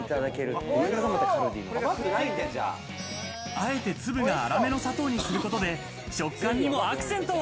あえて粒があらめの砂糖にすることで、食感にもアクセントを。